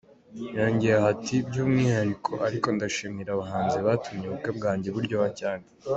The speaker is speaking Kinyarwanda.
Yongeyeho ati “ By’umwihariko ariko ndashimira abahanzi batumye ubukwe bwanjye buryoha cyane.